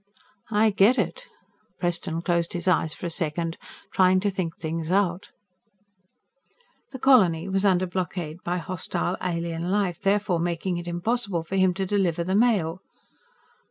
"I get it." Preston closed his eyes for a second, trying to think things out. The Colony was under blockade by hostile alien life, thereby making it impossible for him to deliver the mail.